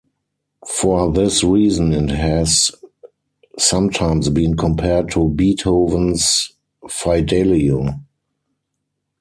For this reason it has sometimes been compared to Beethoven's "Fidelio".